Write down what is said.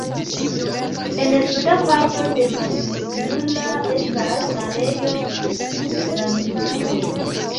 En suda parto de Mannila estas areo Rantue.